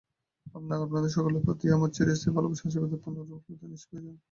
আপনার এবং আপনাদের সকলের প্রতি আমার চিরস্থায়ী ভালবাসা ও আশীর্বাদের পুনরুল্লেখ নিষ্প্রয়োজন।